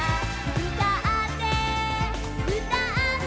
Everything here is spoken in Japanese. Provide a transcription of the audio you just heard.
「うたってうたって」